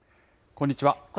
こんにちは。